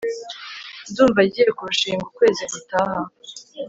ndumva agiye kurushinga ukwezi gutaha